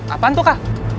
apaan tuh kak